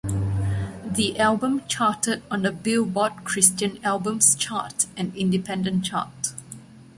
The album charted on the "Billboard" Christian Albums chart and Independent chart.